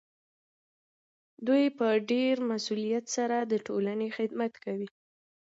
دوی په ډیر مسؤلیت سره د ټولنې خدمت کوي.